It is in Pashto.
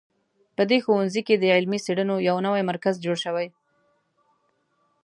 په دې ښوونځي کې د علمي څېړنو یو نوی مرکز جوړ شوی